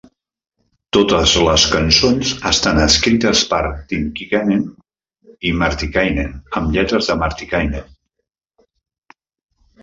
Totes les cançons estan escrites per Tynkkynen i Martikainen, amb lletres de Martikainen.